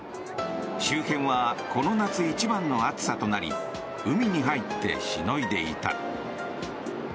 周辺はこの夏一番の暑さとなり海に入ってしのいでいた。